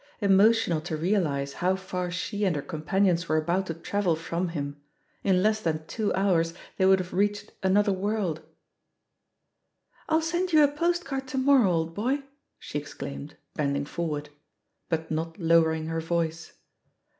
Emotional to realise how far she and her companions were about to travel from him — ^in less than two hours they would have reached another world I "I'll send you a postcard to morrow, old boy," she exclaimed, bending forward, but not lower 96 THE POSITION OF PEGGY HARPER ing her voice.